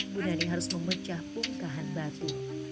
bunda nih harus memecah bungkahan batu